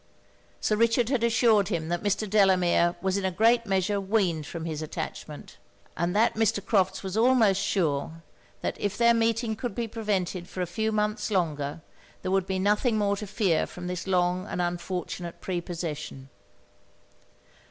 Sir Richard had assured him that Mr. Delamere was in a great measure weaned from his attachment; and that Mr. Crofts was almost sure, that if their meeting could be prevented for a few months longer, there would be nothing more to fear from this long and unfortunate prepossession.